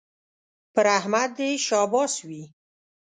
پر احمد دې شاباس وي